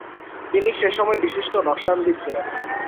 তিনি সে সময়ের বিশিষ্ট রসায়নবিদ ছিলেন।